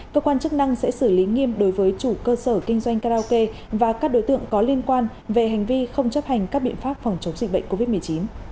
cơ quan chức năng sẽ xử lý nghiêm đối với chủ cơ sở kinh doanh karaoke và các đối tượng có liên quan về hành vi không chấp hành các biện pháp phòng chống dịch bệnh covid một mươi chín